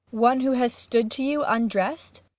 One who has stood to you undressed?